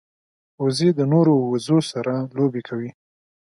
وزې د نورو وزو سره لوبې کوي